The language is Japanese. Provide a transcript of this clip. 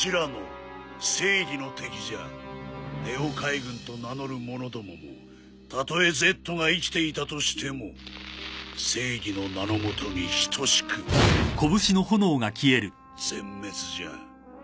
ＮＥＯ海軍と名乗る者どももたとえＺが生きていたとしても正義の名の下に等しく全滅じゃ。